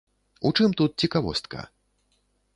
У чым тут цікавостка?